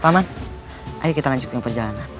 paman ayo kita lanjutkan perjalanan